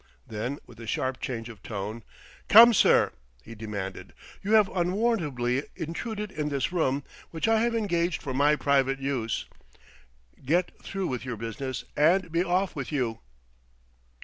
Then, with a sharp change of tone, "Come, sir!" he demanded. "You have unwarrantably intruded in this room, which I have engaged for my private use. Get through with your business and be off with you."